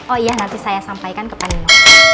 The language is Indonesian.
oh iya nanti saya sampaikan ke pak nino